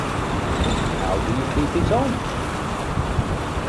How do you keep it on?